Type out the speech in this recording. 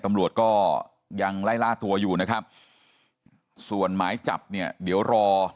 ตำรวจก็ยังไล่ล่าตัวอยู่นะครับส่วนหมายจับเนี่ยเดี๋ยวรอ